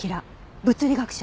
物理学者。